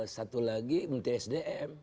satu lagi menti sdm